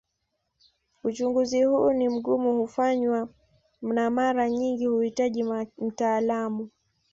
Uchunguzi huu ni mgumu kufanywa na mara nyingi huhitaji mtaalamu.